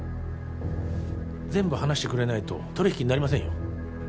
全部話してくれないと取引になりませんよ